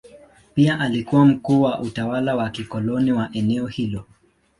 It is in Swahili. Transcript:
Pia alikuwa mkuu wa utawala wa kikoloni wa eneo hilo.